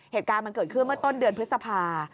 เหตุการณ์มันเกิดขึ้นเมื่อต้นเดือนพฤษภา